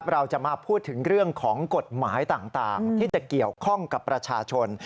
เราจะมาพูดถึงเรื่องของกฎหมายต่างที่จะเกี่ยวข้องกับประชาชน